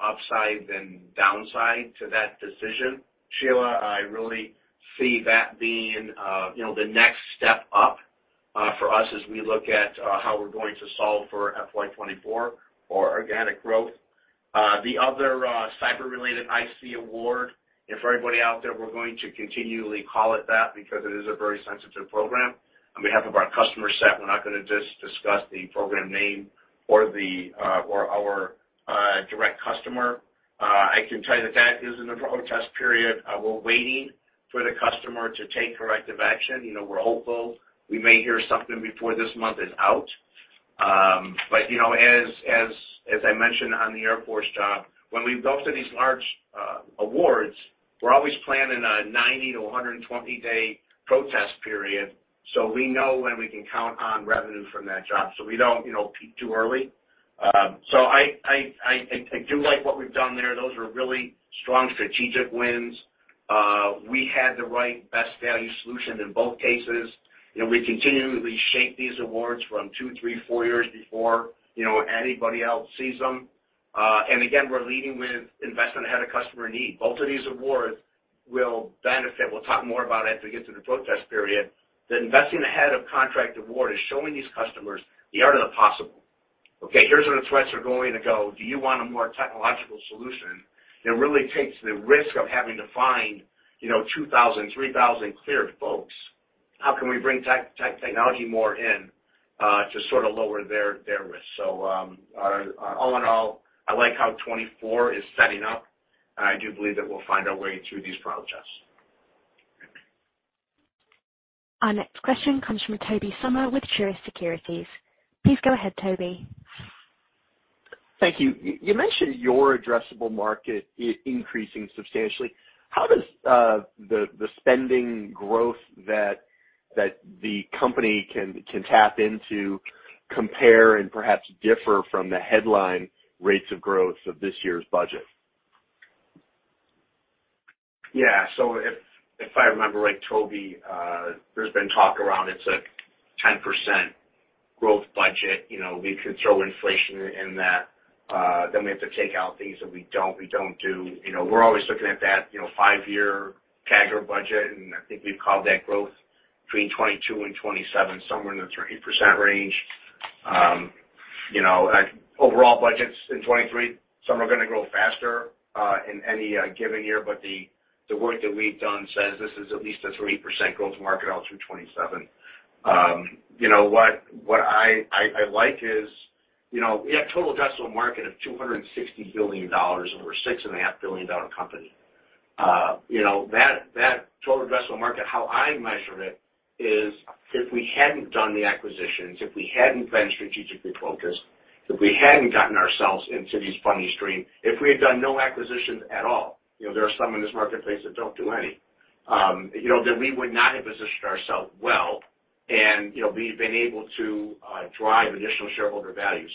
upside than downside to that decision. Sheila, I really see that being, you know, the next step up for us as we look at how we're going to solve for FY 2024 for organic growth. The other cyber-related IC award. For everybody out there, we're going to continually call it that because it is a very sensitive program. On behalf of our customer set, we're not gonna just discuss the program name or the or our direct customer. I can tell you that that is in the protest period. We're waiting for the customer to take corrective action. You know, we're hopeful we may hear something before this month is out. You know, as, as I mentioned on the Air Force job, when we go through these large awards, we're always planning a 90 to 120 day protest period, so we know when we can count on revenue from that job. We don't, you know, peak too early. I, I do like what we've done there. Those are really strong strategic wins. We had the right best value solution in both cases. You know, we continually shape these awards from two, three, four years before, you know, anybody else sees them. Again, we're leading with investment ahead of customer need. Both of these awards will benefit. We'll talk more about it as we get through the protest period, that investing ahead of contract award is showing these customers the art of the possible. Okay, here's where the threats are going to go. Do you want a more technological solution that really takes the risk of having to find, you know, 2,000, 3,000 cleared folks? How can we bring technology more in to sort of lower their risk? All in all, I like how 2024 is setting up, and I do believe that we'll find our way through these protests. Our next question comes from Tobey Sommer with Truist Securities. Please go ahead, Toby. Thank you. You mentioned your addressable market increasing substantially. How does the spending growth that the company can tap into compare and perhaps differ from the headline rates of growth of this year's budget? If I remember right, Toby, there's been talk around it's a 10% growth budget. You know, we could throw inflation in that. We have to take out things that we don't do. You know, we're always looking at that, you know, five year CAGR budget, and I think we've called that growth between 2022 and 2027, somewhere in the 30% range. You know, overall budgets in 2023, some are gonna grow faster in any given year, but the work that we've done says this is at least a 3% growth market all through 2027. You know, what I like is, you know, we have total addressable market of $260 billion, and we're a $6.5 billion company. You know, that total addressable market, how I measure it is if we hadn't done the acquisitions, if we hadn't been strategically focused, if we hadn't gotten ourselves into these funding stream, if we had done no acquisitions at all, you know, there are some in this marketplace that don't do any, you know, then we would not have positioned ourselves well and, you know, be able to drive additional shareholder value.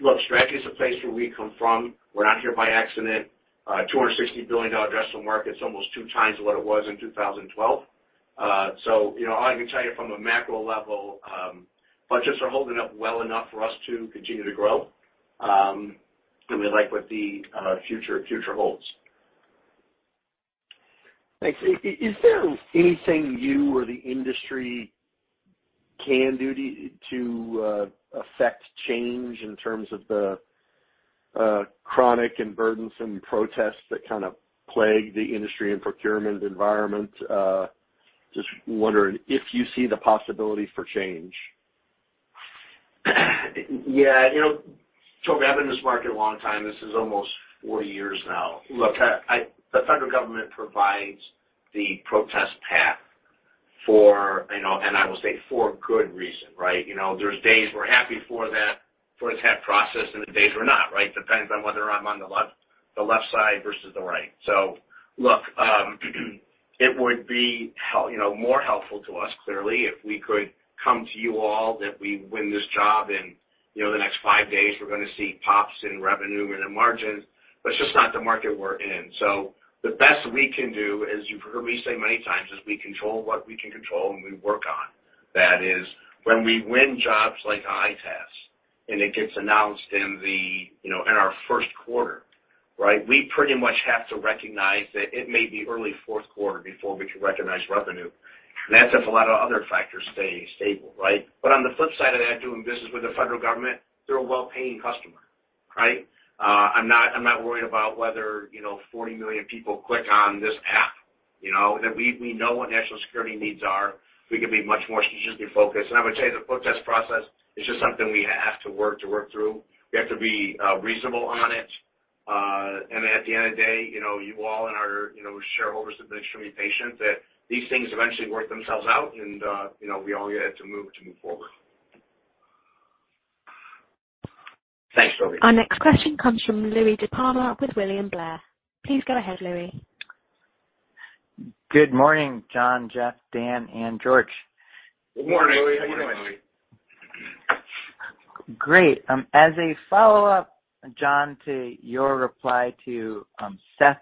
Look, strategy is a place where we come from. We're not here by accident. $260 billion addressable market is almost two times what it was in 2012. You know, all I can tell you from a macro level, budgets are holding up well enough for us to continue to grow, and we like what the future holds. Thanks. Is there anything you or the industry can do to affect change in terms of the chronic and burdensome protests that kind of plague the industry and procurement environment? Just wondering if you see the possibility for change. Yeah. You know, Tobey Sommer, I've been in this market a long time. This is almost 40 years now. Look, the Federal Government provides the protest path for, you know, and I will say for good reason, right? You know, there's days we're happy for that process, and the days we're not, right? Depends on whether I'm on the left side versus the right. Look, you know, more helpful to us clearly, if we could come to you all that we win this job and, you know, the next five days we're gonna see pops in revenue and in margins, but it's just not the market we're in. The best we can do, as you've heard me say many times, is we control what we can control, and we work on. That is when we win jobs like EITaaS and it gets announced in the, you know, in our first quarter, right? We pretty much have to recognize that it may be early fourth quarter before we can recognize revenue. That's if a lot of other factors stay stable, right? On the flip side of that, doing business with the federal government, they're a well-paying customer, right? I'm not, I'm not worried about whether, you know, 40 million people click on this app, you know. That we know what national security needs are. We can be much more strategically focused. I would say the protest process is just something we have to work to work through. We have to be reasonable on it. At the end of the day, you know, you all and our, you know, shareholders have been extremely patient that these things eventually work themselves out and, you know, we all have to move to move forward. Thanks, Toby. Our next question comes from Louie DiPalma with William Blair. Please go ahead, Louie. Good morning, John, Jeff, Dan, and George. Good morning, Louie. How you doing? Great. As a follow-up, John, to your reply to Seth's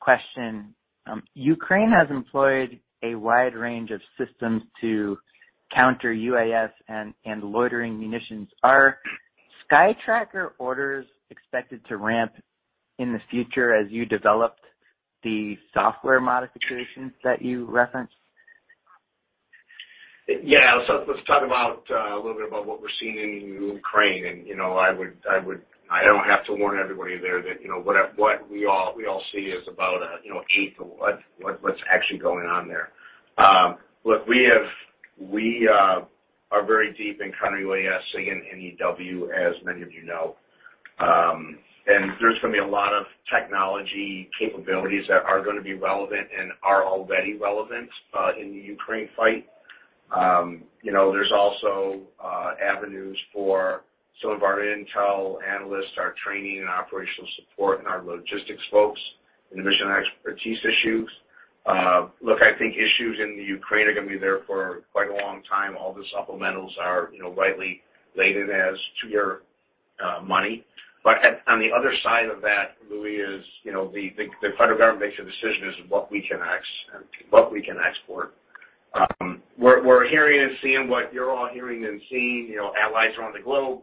question, Ukraine has employed a wide range of systems to counter UAS and loitering munitions. Are SkyTracker orders expected to ramp in the future as you developed the software modifications that you referenced? Yeah. Let's talk about a little bit about what we're seeing in Ukraine. You know, I don't have to warn everybody there that, you know, what we all see is about 8th of what's actually going on there. Look, we are very deep in Counter-UAS in EW, as many of you know. There's going to be a lot of technology capabilities that are going to be relevant and are already relevant in the Ukraine fight. You know, there's also avenues for some of our intel analysts, our training and operational support and our logistics folks and the mission expertise issues. Look, I think issues in the Ukraine are going to be there for quite a long time. All the supplementals are, you know, rightly laid in as two-year money. But on the other side of that, Louie, is, you know, the federal government makes a decision as to what we can export. We're hearing and seeing what you're all hearing and seeing, you know, allies around the globe.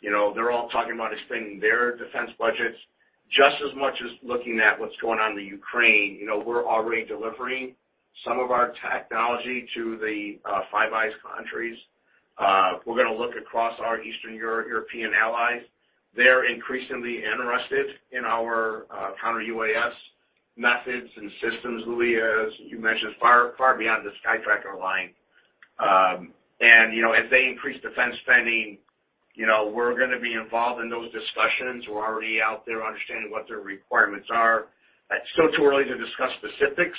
You know, they're all talking about expanding their defense budgets just as much as looking at what's going on in the Ukraine. You know, we're already delivering some of our technology to the Five Eyes countries. We're gonna look across our Eastern European allies. They're increasingly interested in our Counter-UAS methods and systems, Louie, as you mentioned, far beyond the SkyTracker line. You know, as they increase defense spending, you know, we're gonna be involved in those discussions. We're already out there understanding what their requirements are. It's still too early to discuss specifics,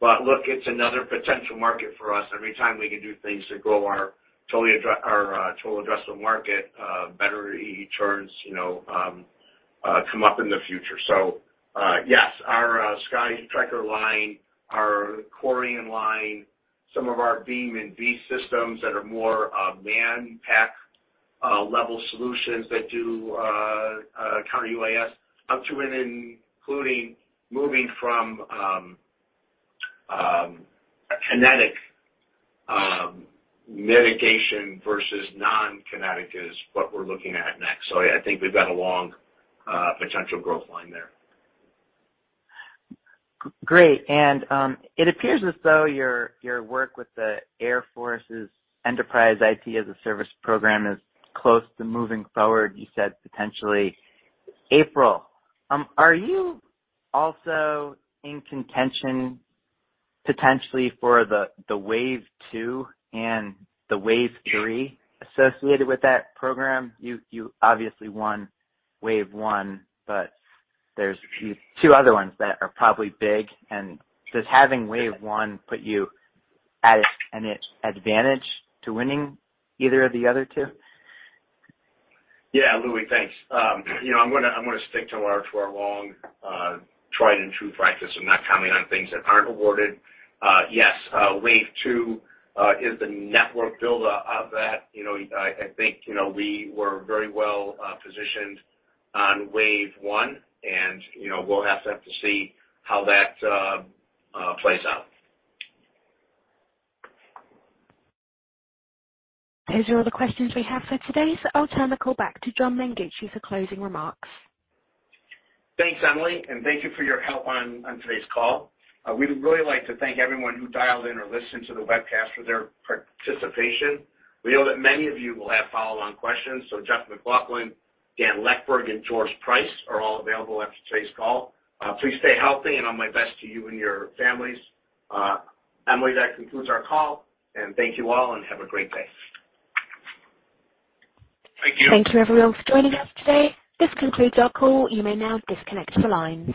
but look, it's another potential market for us. Every time we can do things to grow our total addressable market, better returns, you know, come up in the future. Yes, our SkyTracker line, our CORIAN line, some of our BEAM and V systems that are more manpack level solutions that do Counter-UAS up to and including moving from kinetic mitigation versus non-kinetic is what we're looking at next. I think we've got a long potential growth line there. Great. It appears as though your work with the Air Force's Enterprise IT as a Service program is close to moving forward, you said potentially April. Are you also in contention potentially for the Wave two and the Wave three associated with that program? You obviously won Wave one, there's two other ones that are probably big. Does having Wave one put you at an advantage to winning either of the other two? Yeah. Louie, thanks. You know, I'm gonna stick to our long, tried and true practice of not commenting on things that aren't awarded. Yes, wave two, is the network build out of that. You know, I think, you know, we were very well positioned on wave one and, you know, we'll have to see how that plays out. Those are all the questions we have for today, so I'll turn the call back to John Mengucci for closing remarks. Thanks, Emily, thank you for your help on today's call. We'd really like to thank everyone who dialed in or listened to the webcast for their participation. We know that many of you will have follow-on questions, Jeff MacLauchlan, Dan Leckburg, and George Price are all available after today's call. Please stay healthy and all my best to you and your families. Emily, that concludes our call and thank you all and have a great day. Thank you. Thank you everyone for joining us today. This concludes our call. You may now disconnect your lines.